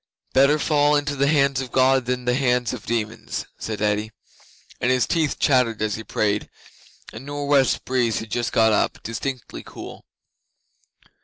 '"Better fall into the hands of God than the hands of demons," said Eddi, and his teeth chattered as he prayed. A nor' west breeze had just got up distinctly cool.